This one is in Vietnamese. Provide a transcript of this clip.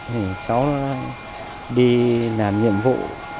thì cháu nó đi làm nhiệm vụ